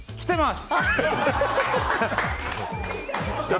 来てます！